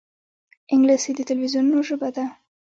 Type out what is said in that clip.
انګلیسي د تلویزونونو ژبه ده